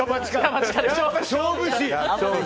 勝負師！